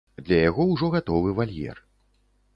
Для яго ўжо гатовы вальер.